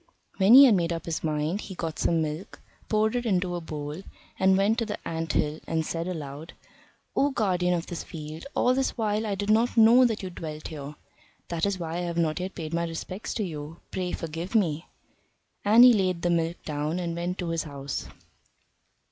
When he had made up his mind, he got some milk, poured it into a bowl, and went to the ant hill, and said aloud: "O Guardian of this Field! all this while I did not know that you dwelt here. That is why I have not yet paid my respects to you; pray forgive me." And he laid the milk down and went to his house.